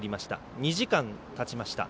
２時間たちました。